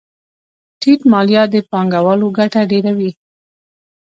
ټیټ مالیات د پانګوالو ګټه ډېروي.